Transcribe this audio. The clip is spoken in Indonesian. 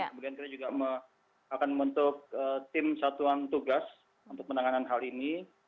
kemudian kita juga akan membentuk tim satuan tugas untuk penanganan hal ini